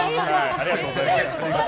ありがとうございます。